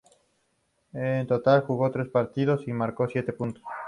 En total jugó tres partidos y marcó siete puntos.